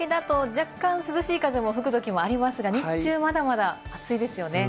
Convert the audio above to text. そうですね、日陰だと若干涼しい風も吹くときもありますが、日中まだまだ暑いですよね